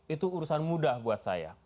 itu urusan mudah buat saya